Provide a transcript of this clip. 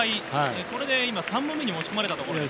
これで３本目に持ち込まれたところです。